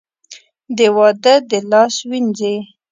د واده دې لاس ووېنځي .